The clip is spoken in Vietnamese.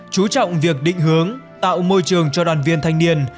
chú trọng việc định hướng tạo môi trường cho đoàn viên thanh niên